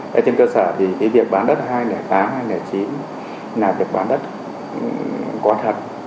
trên cơ sở thì việc bán đất hai trăm linh tám hai trăm linh chín là việc bán đất có thật